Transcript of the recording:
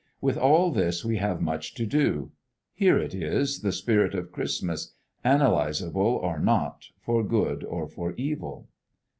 With all this we have much to do. Here it is, the spirit of Christmas, analyzable or not, for good or for evil.